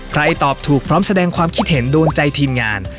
ตอบถูกพร้อมแสดงความคิดเห็นโดนใจทีมงาน